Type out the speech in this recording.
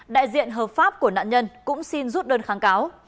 đại diện hợp pháp của nạn nhân cũng xin rút đơn kháng cáo